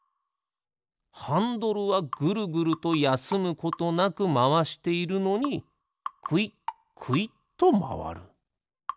ハンドルはぐるぐるとやすむことなくまわしているのにくいっくいっとまわる。